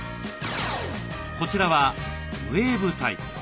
こちらはウエーブタイプ。